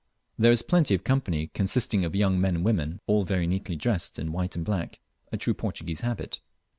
There is plenty of company, consisting of young men and women, all very neatly dressed in white and black a true Portuguese habit.